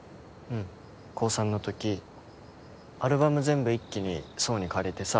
うん、高３の時アルバム全部、一気に想に借りてさ。